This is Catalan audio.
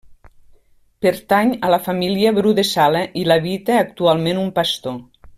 Pertany a la família Bru de Sala i l'habita actualment un pastor.